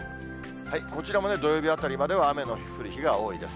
こちらも土曜日あたりまでは、雨の降る日が多いです。